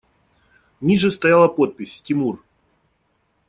Ниже стояла подпись: «Тимур».